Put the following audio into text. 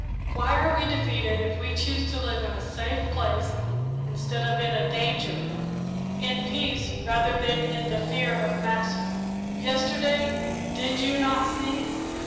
Why are we defeated if we choose to live in a safe place instead of in danger in peace rather than in the fear of massacre? Yesterday, did you not see?